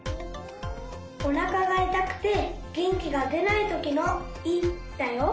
おなかがいたくてげんきがでないときの「い」だよ。